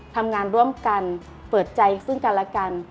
ทำงานร่วมกันเปิดใจซึ่งกันและกัน